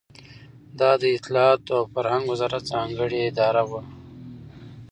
دا د اطلاعاتو او فرهنګ وزارت ځانګړې اداره وه.